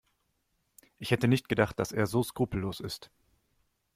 Ich hätte nicht gedacht, dass er so skrupellos ist.